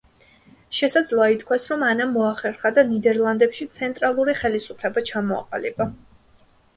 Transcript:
შესაძლოა ითქვას, რომ ანამ მოახერხა და ნიდერლანდებში ცენტრალური ხელისუფლება ჩამოაყალიბა.